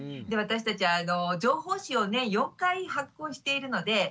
で私たちは情報誌をね４回発行しているので。